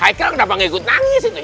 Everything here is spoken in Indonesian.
haikel kenapa gak ikut nangis itu